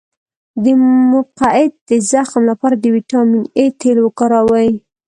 د مقعد د زخم لپاره د ویټامین اي تېل وکاروئ